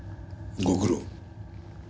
ご苦労。